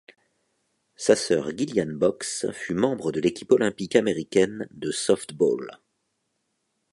Sa sœur Gillian Boxx fut membre de l'équipe olympique américaine de softball.